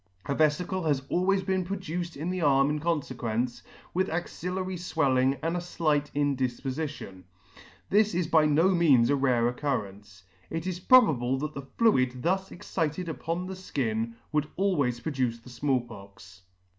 A vencle has always been produced in the arm in confequence, with axillary fwelling and a flight in Jifpofition : this is by no means a rare occurrence. It is probable that the fluid thus excited upon the fkin would always produce the Small Pox.